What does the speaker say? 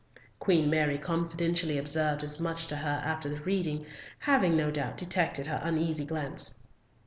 Queen Mary confidentially observed as much to her after the reading, having, no doubt, detected her uneasy glance.